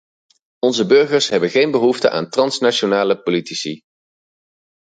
Onze burgers hebben geen behoefte aan transnationale politici.